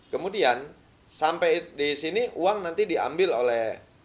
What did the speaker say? kemudian sampai di sini uang nanti diambil oleh